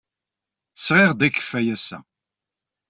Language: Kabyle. Sɣiɣ-d akeffay ass-a.